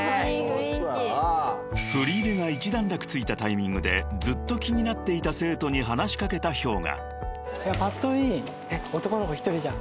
［振り入れが一段落ついたタイミングでずっと気になっていた生徒に話し掛けたＨｙＯｇＡ］